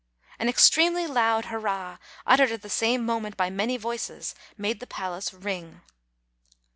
An extremely loud hurrah, uttered at the same moment by many voices, made the palace ring.